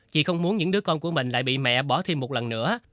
chị không muốn những đứa con của mình lại bị mẹ bỏ thêm một lần nữa